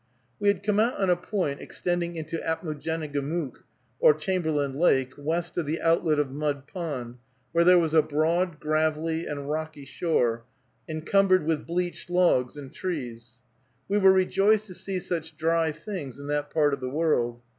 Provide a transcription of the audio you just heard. We had come out on a point extending into Apmoojenegamook, or Chamberlain Lake, west of the outlet of Mud Pond, where there was a broad, gravelly, and rocky shore, encumbered with bleached logs and trees. We were rejoiced to see such dry things in that part of the world.